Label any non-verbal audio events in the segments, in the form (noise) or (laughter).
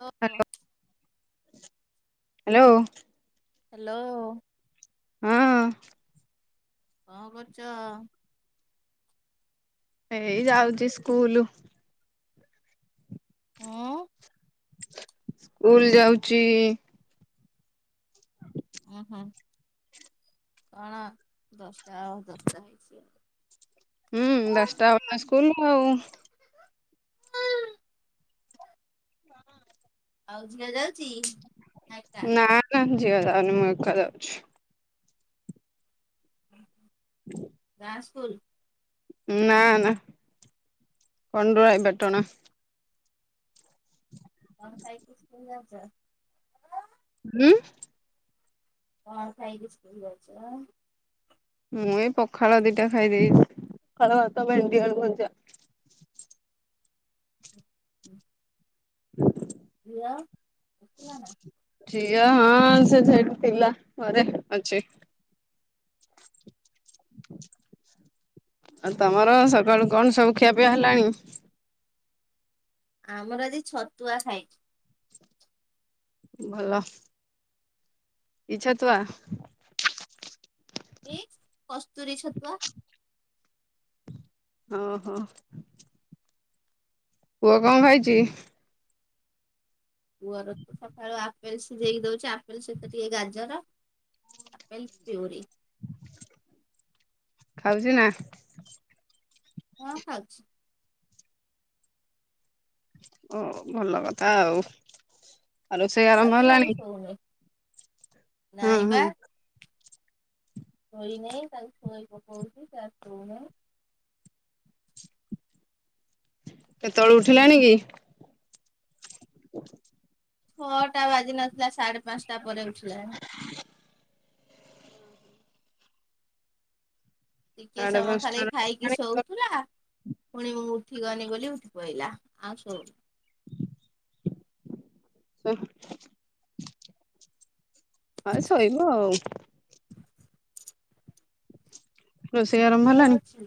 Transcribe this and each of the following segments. ହଁ। Hello hello hello ହଁ। କଣ କରୁଛ? ଏଇ ଯାଉଛି ସ୍କୁଲୁ। ହୁଁ। ସ୍କୁଲ ଯାଉଛି ଉୁଁ ହୁଁ କଣ ଦଶଟା ଆଉ ଦଶଟା ହେଇଛି। ହୁଁ ଦଶଟା ବେଳେ ନା ସ୍କୁଲ ଆଉ। ଆଉ ଝିଅ ଯାଉ ନାନା ଝିଅ ଯାଉନି ମୁଁ ଏକା ଯାଉଛି। ଗାଁ ସ୍କୁଲ? ନା ନା କଣ୍ଡରାଇପଟଣା। କଣ ଖାଇକି ସ୍କୁଲ ଯାଉଛ? ଉଁ। କଣ ଖାଇକି ସ୍କୁଲ ଯାଉଛ? ମୁଁ ଏଇ ପଖାଳ ଦିଟା ଖାଇ ଦେଇଛି ପଖାଳ ଭାତ, ଭେଣ୍ଡି, ଆଳୁ ଭଜା। ହୁଁ। ଝିଅ ଥିଲା ନା? ଝିଅ ହଁ ସେ ସେଠି ଥିଲା ଘରେ ଅଛି। ଆଉ ତମର ସକାଳୁ କଣ ସବୁ ଖିଆ ପିଆ ହେଲାଣି। ଆମର ଆଜି ଛତୁଆ ଖାଇଚୁ। ଭଲ। କି ଛତୁଆ? ଇଯି କସ୍ତୁରୀ ଛତୁଆ। ଓହୋ। ପୁଅ କ ଖାଇଛି? ପୁଅର ତ ସଖାଳୁଆ। ଆପେଲ ସିଝେଇକି ଦଉଛି ଆପେଲ ସହିତ ଟିକେ ଗାଜର ଆପେଲ ପ୍ୟୁରି। ଖାଉଛି ନା? ହଁ ଖାଉଛି। ଓ ଭଲ କଥା ଆଉ ରୋଷେଇ ଖାଉଛି ଆରମ୍ଭ ଖାଲି ହେଲାଣି? ଶୋଉନି। ହଁ ନାଇଁ ହଁ। ଶୋଇ ନାହିଁ ତାକୁ ଖୁଆଇ ପକଉଛି ତା ଶୋଉ ନାହିଁ। କେତେବେଳୁ ଉଠିଲାଣି କି? ହଛ (inaudible) ଛଅଟା ବାଜି ନଥିଲା ସାଢେ ପାଞ୍ଚଟା ପରେ ଉଠିଲାଣି। ହ (inaudible) ଟିକେ ସାଢେ ସମ ଖାଲି ପାଞ୍ଚଟାରୁ ଖାଇକି ଉଠିଲାଣି। ଶୋଉଥିଲା ପୁଣି ମୁଁ ଉଠିଗନି ବୋଲି ଉଠି ପହିଲା ଆଉ ଶୋଉ ହୁଁ ହଁ ଶୋଇବ ଆଉ। ରୋଷେଇ ଆର ଦେହ ଅଛି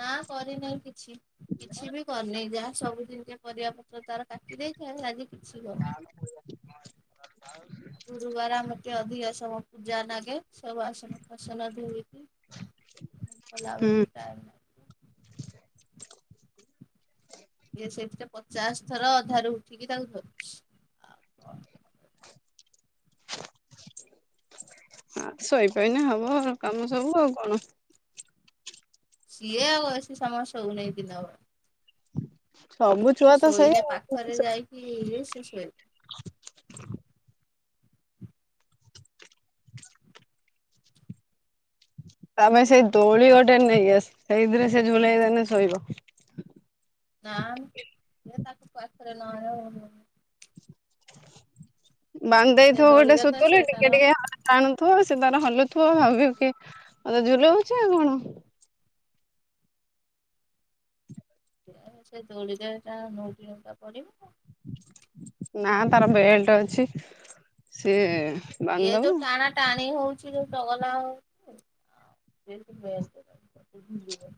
ନା କରିନାହିଁ କିଛି କିଛି ବି କରିନି ଯାହା ସବୁ ଜିନିଷ ପରିବା ପତ୍ର ତାର କାଟି ଦେଇଥାଏ ଆଜି କିଛି କରିନି। ଆ ଗୁରୁବାର ଆମକେ ଅଧିକା ସମ ପୂଜା ନାଗେ ସବୁ ଆସନ ବାସନ ଧୂଇ ମଲା ହୁଁ ଆବ ମୁ ଟାଇମ ନା (unintelligible) ଇଏ ସେଇଥିରେ ପଚାଶ ଥର ଅଧାରୁ ଉଠିକି ତାଙ୍କୁ ଧରୁଛି। ଆଉ କଣ ଶୋଇପଇନେ ହବ କାମ ସବୁ ଆଉ କଣ? ସିଏ ଆଉ ବେସି ସମୟ ଶୋଉନି ଦିନ ବେଳା। ସବୁ ଛୁଆ ତ ସେଇ ଶୋଇନେ ଆଉ। ପାଖରେ ଯାଇକି ଏଇ ସିଏ ଶୋଇବ। (inaudible) (inaudible) ତମେ ସେଇ ଦୋଳି ଗୋଟେ ନେଇଆସ ସେଇତିରେ ସେ ଝୁଲେଇଦଲେ ଶୋଇବ। ନା ନା ସିଏ ତାକୁ ପାଖରେ ନଆଣିବ (unintelligible) ବାନ୍ଧ ସେ ଦେଇଥିବ ଗୋଟେ ଦୋଳିରେ ତ ସୁତୁଲି ସେ ତାର ଟିକେ ଟିକେ ହ ଟାଣୁଥିବ ସେ ତାର ହଲୁଥିବ ଭାବିବକି ମତେ ଝୁଲଉଛି ଆଉ କଣ। ସେ ସେ ଦୋଳିରେ ଏଟା ନୋଉଟି ନୁଉଟା ପଡ଼ିବ। ନା ତାର ବେଲ୍ଟ ଅଛି ସିଏ ଇଏ ବାନ୍ଧିଦବ। ଯଉ ଟାଣା ଟାଣି ହଉ ଚି ଚଗଲା ହଉଚି ଆ ସିଏ ବେଲ୍ଟ (unintelligible) ଭିଡ଼ିବ।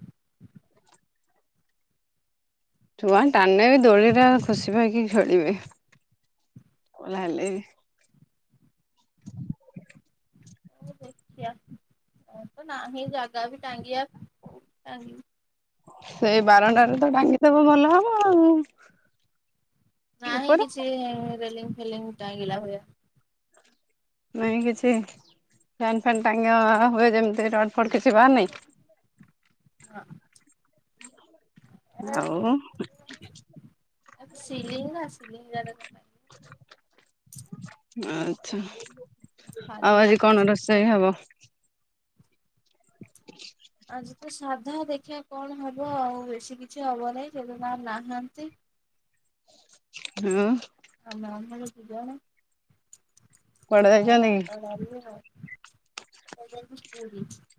ଛୁଆ ଟାଣିନେବି ଦୋଳିର ଖୁସିିପାଇକି ଖେଳିବେ କ ହେଲେବି ହଉ ଦେଖିଆ ମୋରତ ନାହିଁ ଜାଗାବି ଟାଙ୍ଗିବାକୁ କୋଉଠି ଟାଙ୍ଗିବୁ। ସେଇ ବାରଣ୍ଡାରେତ ଟାଙ୍ଗି ଦବ ଭଲ ହବ ଆଉ। ନାହିଁ ଉପରେ କିଛି ରେଲିଙ୍ଗ ଫେଲିଙ୍ଗ ଟାଙ୍ଗିଲା ଭଳିଆ। ନାଇଁ କିଛି ଫ୍ୟାନ୍ ଫ୍ୟାନ୍ ଟାଙ୍ଗି ହୁଏ ଯେମତି ରଡ଼ ଫଡ଼ କିଛି ବାହାରି ନେଇ। ନା। ଆଉ। ଏରାତ ସିଲିଙ୍ଗ ୟୁରା ସିଲିଙ୍ଗ ଉରାରେ କଣ ଟାଙ୍ଗିବ। ଆଚ୍ଛା। ଖାଲି ଆଉ ଆଜି ନାଖିଛି କଣ ରୋଷେଇ ହବ। (inaudible) ଆଜିତ ସାଧା ଦେଖିବା କଣ ହବ ଆଉ ବେଶୀ କିଛି ହବନାହିଁ ସେତ ତାଙ୍କର ନାହାନ୍ତି। ହଁ। କୁଆଡେ (unintelligible) ଯାଇଛନ୍ତି କି? (unintelligible)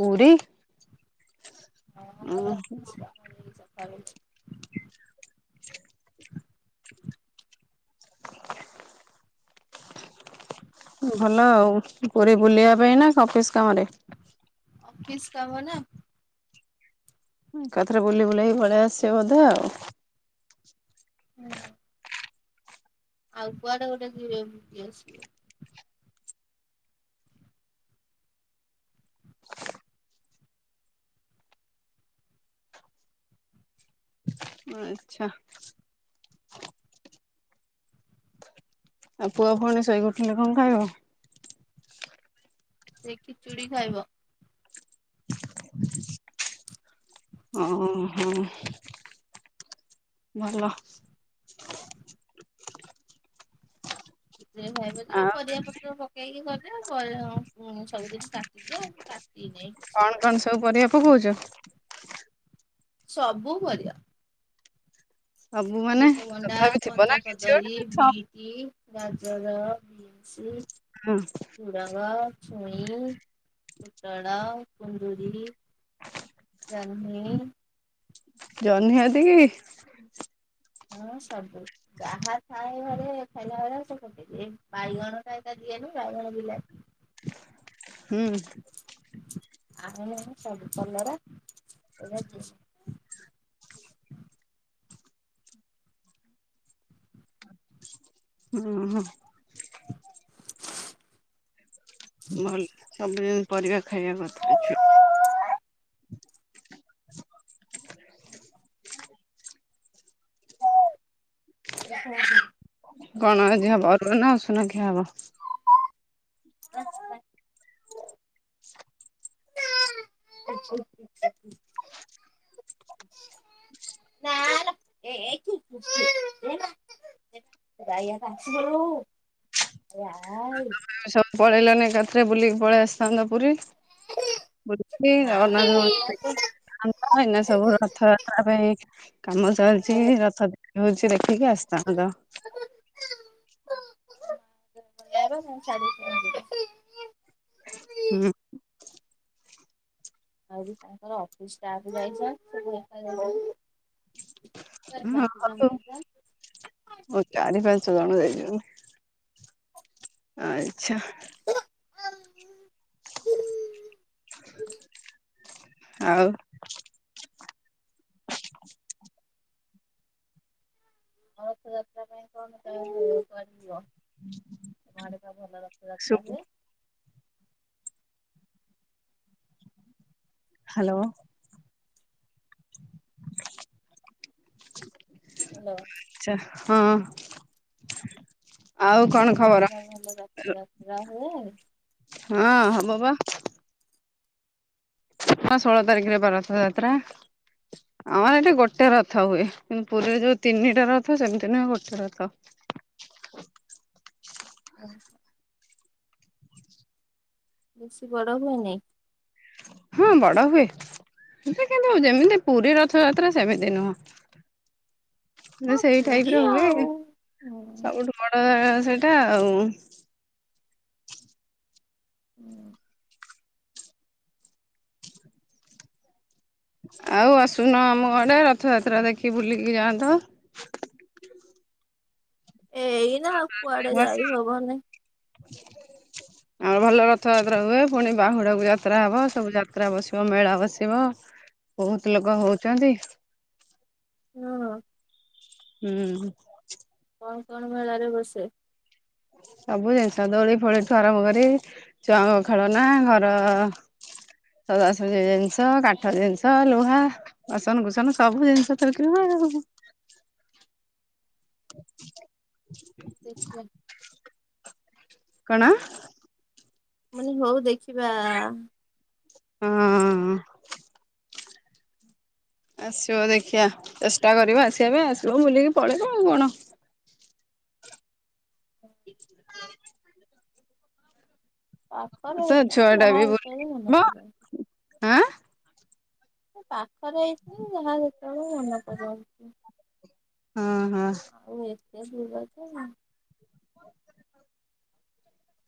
ପୁରୀ। ଓହୋ। ପଳେଇବି ଚାରିଟା ବେଳକୁ। (inaudible) ଭଲ ଆଉ ପୁରୀ ବୁଲିବା ପାଇଁନା ଅଫିସ୍ କାମରେ। ଅଫିସ୍ କାମନା। ଏକାଥରେ ବୁଲି ବୁଲାକି ପଳେଇ ଆସିବ ବୋଧେ ଆଉ। ହୁଁ। ଆଉ କୁଆଡ଼େ ଗୋଟେ ଯିବେ ଏମିତି ଆସିବେ। ଆଚ୍ଛା। ଆଉ ପୁଅ ଫୁଣି ଶୋଇକି ଉଠିନେ କଁ ଖାଇବ? ସେ ଖିଚୁଡ଼ି ଖାଇବ। ଅଁ ହଁ। ଭଲ। ଖିଚୁଡ଼ୁ ଖାଇବଯେ ଆଉ ପରିବା ପତ୍ର ପ କି କରେ ପରେ ଉଁ ସବୁ ଦିନି କାଟିଦିଏ ଆଜି କାଟି ନେଇ। କଣ କଣ ସବୁ ପରିବା ପକଉଚ? ସବୁ ପରିବା। ସବୁ ମାନେ ଅମୃତଭଣ୍ଡା ତଥାପି ଥିବ ନା କଞ୍ଚା କିଛି କଦଳୀ ଗୋଟେ ବି ଟ୍ ଗାଜର ବିିମ୍ସି। ହଁ। ଝୁଡଙ୍ଗ ଛୁଇଁ ପୂଟଳ କୁନ୍ଦୁରି। ଜହ୍ନି। ଜହ୍ନି ଆଧିକି। ହଁ ସବୁ। ଯାହା ଥାଏ ଘରେ ଖାଇଲା ଭଳିଆ ସେ ପକେଇଦିଏ, ବାଇଗଣ ଟା ଏକା ଦିଏନି ବାଇଗଣ ବିଲାତି। ହୁଁ। ଆଉ ନହେଲେ ସବୁ କଲରା ଏରା ଦିଏ ନି। ହୁଁ ହଁ। ଭଲ ସବୁଦିନ ପରିବା ଖାଇବା କଥା ଅଛି। କଣ ଆଜି ହବ ଅରୁଆ ନା ଉସୁନା ଖିଆ ହବ? ନା ଲୋ (unintelligible) (unintelligible) ଆଇ ସବୁ ପଳେଇଲନି ଏକାଥରେ ଯାତ୍ରା ବୁଲିକି ପଳେଇ ଆସିଥାନ୍ତା ପୁରୀ। (unintelligible) ଜଗନ୍ନାଥ ମନ୍ଦିର ଦେଖିକି ଆସିଥାନ୍ତ। ଏଇନା ସବୁ ରଥ ଯାତ୍ରା ପାଇଁ କାମ ଚାଲିଛି ରଥଖ ହଉଛି ଦେଖିକି ଆସି। (unintelligible) (unintelligible) ହୁଁ। ଆଜି ତାଙ୍କର ଅଫିସ ଷ୍ଟାଫ ଯାଇଛନ୍ତିତ ସେଥିପାଇଁ (unintelligible) ହଁ ହଲୋ। ଚାରି ପାଞ୍ଚ ଜଣ ଯାଇଛନ୍ତି ଆଚ୍ଛା। ଆଉ। ମ ରଥଯାତ୍ରା ପାଇଁ କଣ କ କରିବ। ତମଆଡ଼େ ପା ଭଲ ଶୁ ରଥଯାତ୍ରା ହୁଏ। ହାଲୋ। (unintelligible) ହାଲୋ। ଆଚ୍ଛା ହଁ। ଆଉ କଣ ଖବର ତମଆଡ଼େ ପା ଭଲ ରଥଯାତ୍ରା ହୁଏ। ହଁ ହବ ବା। ହଁ ଷୋଳ ତାରିଖରେେ ପା ରଥଯାତ୍ରା। ଆମର ଏଠି ଗୋଟେ ରଥ ହୁଏ କିନ୍ତୁ ପୁରୀରେ ଯୋଉ ତିନିଟା ରଥ ସେମିତି ନୁହେଁ ଗୋଟେ ରଥ। (unintelligible) ବେଶୀ ବଡ ହୁଏନି। ହୁଁ ବଡ଼ ହୁଏ। ଏଠି କିନ୍ତୁ ଯେମିତି ପୁରୀ ରଥଯାତ୍ରା ସେମିତି ନୁହଁ। ହଁ ସେଇ ପୁରୀ ଟାଇପର ହୁଏ ଆଉ ହୁଁ ହୁଁ। ସବୁଠୁ। ବଡ଼ ସେଇଟା ଆଉ। ଉଁ, ଆଉ ଆସୁନ ଆମ ଆଡ଼େ ରଥଯାତ୍ରା ଦେଖି ବୁଲିକି ଯାଆନ୍ତୁ। ଏଇନା ଆଉ କୁଆଡେ ଆସ। ଯାାଇ ହବନି। ଆମର ଭଲ ରଥଯାତ୍ରା ହୁଏ, ପୁଣି ବାହୁଡାକୁ ଯାତ୍ରା ହବ ସବୁ ଯାତ୍ରା ବସିବ ମେଳା ବସିବ। ବହୁତ ଲୋକ ହଉଚନ୍ତି। ହଁ। ହୁଁ। କଣ କଣ ମେଳାରେ ବସେ? ସବୁ ଜିନିଷ ଦୋଳି ଫୋଳି ଠୁ ଆରମ୍ଭ କରି ଛୁଆଙ୍କ ଖେଳନା ଘର ସଜାସଜି ଜିନିଷ, କାଠ ଜିନିଷ, ଲୁହା ଵାସନ କୁସନ ସବୁ ଜିନିଷ ତ ବିକ୍ରି ହୁଏ। ଦେଖିଆ। କଣ? ମୁଁ କହିନି ହଉ ଦେଖିବା। ହଁ। ଆସିବ ଦେଖିଆ, ଚେଷ୍ଟା କରିବ ଆସିବା ପାଇଁ, ଆସିବ ବୁଲିକି ପଳେଇବ ଆଉ କଣ? (inaudible) ପାଖରେ ସେ ଛୁଆ ହେଇଥିନେ ଟା ଯାହା ବି ବୁଲିକି ଯେତେଳେ ଯିବ ମନ କଲେ। ଆଁ ଏ ପାଖରେ ହେଇଛି ଯେ ଯାହା ଯେତେବେଳେ ମନେ ପଡି ଯାଉଚି। ହଁ, ହଁ। ଆଉ ଏତେ ଦୂର ଯେ ଆଁ,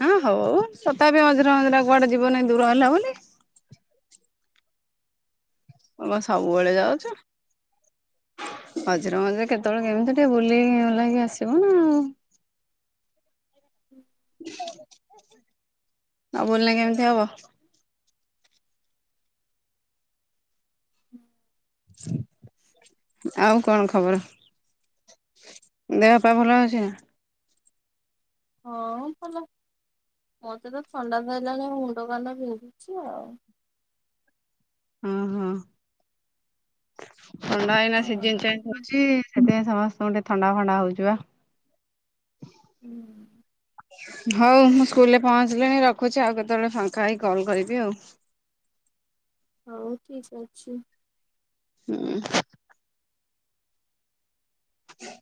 ହଁ ହଉ ତାଥାପି ମଝିର ମଝିର କୁଆଡେ ଯିବ ନାଇଁ ଦୂର ହେଲା ବୋଲି। କଣ ସବୁବେଳେ ଯାଉଛ? ମଝିରେ ମଝିରେ କେତେବେଳେ କେମିତି ଟିକେ ବୁଲିବୁଲାକି ଆସିବ ନା। ହୁଁ, ନ ବୁଲିଲେ କେମିତି ହବ? (inaudible) ହୁଁ (inaudible) ଆଉ କଣ ଖବର? ଦେହ ପା ଭଲ ଅଛି ନା? ହଁ ଭଲ, ମୋତେ ତ ଥଣ୍ଡା ଧରଲାାଣି ମୋ ମୁଣ୍ଡ କାନ ବିନ୍ଧୁଛି ଆଉ। ହଁ, ହଁ ଥଣ୍ଡା ଏଇନା ସିଝନ୍ ଚେଞ୍ଜ ହଁ। ହଉଛି। ସେଥିପାଇଁ ସମସ୍ତଙ୍କୁ ଟିକେ ଥଣ୍ଡା ଫଣ୍ଡା ହଉଛି ବା। (inaudible) ହଉ ମୁଁ ସ୍କୁଲ୍ ରେ ପହଞ୍ଚିଲିଣି ରଖୁଛି ଆଉ, କେତେବେଳେ ଫାଙ୍କା ହେଇ କଲ୍ କରିବି ଆଉ। ହଉ ଠିକ ଅଛି। ହୁଁ। ଆଜ୍ଞା।